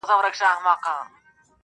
اوس د کوه قاف له تُرابان سره به څه کوو-